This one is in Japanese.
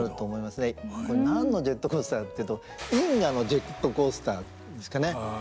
これ何のジェットコースターかっていうと因果のジェットコースターっていうんですかね。